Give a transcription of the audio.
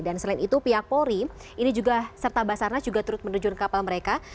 dan selain itu pihak polri ini juga serta basarnas juga turut menerjun kapal mereka